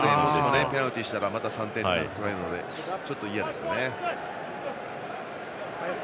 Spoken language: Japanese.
ペナルティーをしたら３点取られるので嫌ですね。